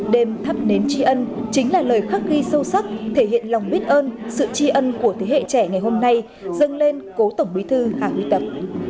đêm thắp nến tri ân chính là lời khắc ghi sâu sắc thể hiện lòng biết ơn sự tri ân của thế hệ trẻ ngày hôm nay dâng lên cố tổng bí thư hà huy tập